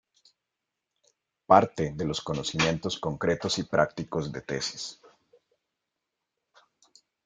Parte de los conocimientos concretos y prácticos de tesis.